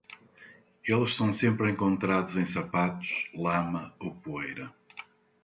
Eles são sempre encontrados em sapatos, lama ou poeira.